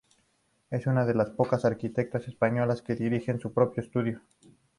Es una de las pocas arquitectas españolas que dirigen su propio estudio.